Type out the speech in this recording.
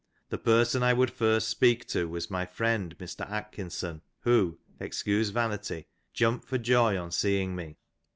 The person I would first *' speak to was my friend Mr. Atkinson, who (excuse vanity) jumped *^ for joy on seeing me.